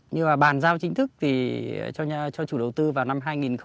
như là bàn giao chính thức cho chủ đầu tư vào năm hai nghìn một mươi bảy